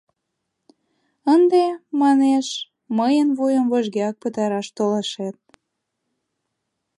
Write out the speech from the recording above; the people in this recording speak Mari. Ынде, манеш, мыйын вуйым вожгеак пытараш толашет!